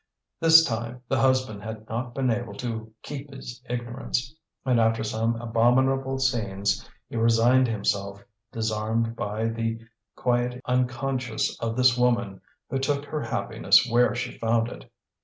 This time the husband had not been able to keep his ignorance, and after some abominable scenes he resigned himself, disarmed by the quiet unconsciousness of this woman who took her happiness where she found it.